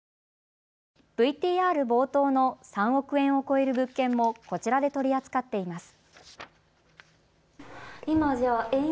ＶＴＲ冒頭の３億円を超える物件もこちらで取り扱っています。